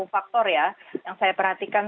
faktor ya yang saya perhatikan